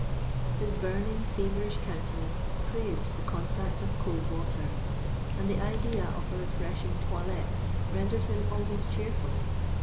His burning, feverish countenance craved the contact of cold water; and the idea of a refreshing toilette rendered him almost cheerful.